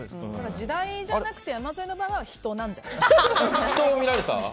時代じゃなくて山添の場合は人なんじゃないですか？